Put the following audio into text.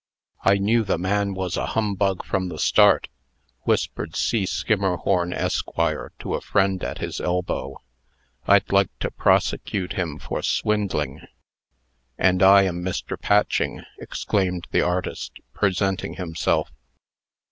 "I knew the man was a humbug from the start," whispered C. Skimmerhorn, Esq., to a friend at his elbow. "I'd like to prosecute him for swindling." "And I am Mr. Patching," exclaimed the artist, presenting himself.